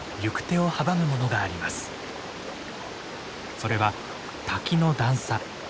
それは滝の段差。